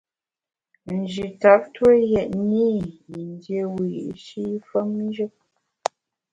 Nji tap tue yètne i yin dié wiyi’shi femnjù.